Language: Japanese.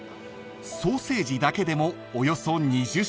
［ソーセージだけでもおよそ２０種類］